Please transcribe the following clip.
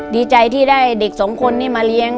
ดีใจที่ได้เด็กสองคนนี้มาเลี้ยง